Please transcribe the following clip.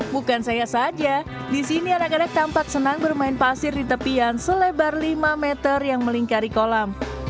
bukan saya saja di sini anak anak tampak senang bermain pasir di tepian selebar lima meter yang melingkari kolam